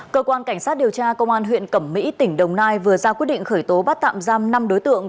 cơ quan cảnh sát điều tra công an huyện cẩm mỹ tỉnh đồng nai vừa ra quyết định khởi tố bắt tạm giam năm đối tượng